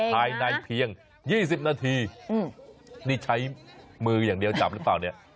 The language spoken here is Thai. ภายในเพียง๒๐นาทีนี่ใช้มืออย่างเดียวจับหรือเปล่าเนี่ย